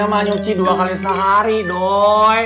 saya mah nyuci dua kali sehari doi